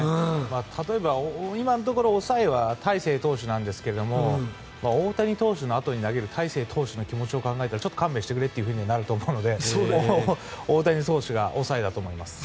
例えば今のところ抑えは大勢投手なんですが大谷投手のあとに投げる大勢投手の気持ちを考えたらちょっと勘弁してくれとなると思うので大谷投手が抑えだと思います。